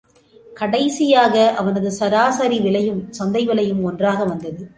கடைசியாக அவனது சராசரி விலையும் சந்தை விலையும் ஒன்றாக வந்தது.